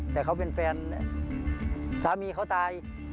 แต่เขาเป็นแฟนสามีเขาตาย